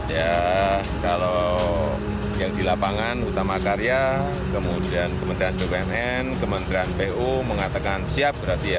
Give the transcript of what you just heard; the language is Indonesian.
ya kalau yang di lapangan utama karya kemudian kementerian bumn kementerian pu mengatakan siap berarti ya